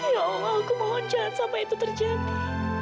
ya allah aku mohon jangan sampai itu terjadi